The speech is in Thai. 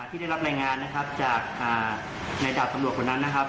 ที่ได้รับรายงานในดาบตำรวจคนนั้น